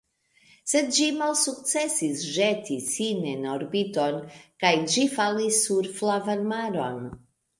Sed ĝi malsukcesis ĵeti sin en orbiton, kaj ĝi falis sur Flavan Maron.